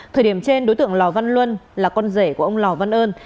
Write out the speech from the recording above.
thời điểm trên đối tượng lào văn luân là con rể của ông lào văn ơn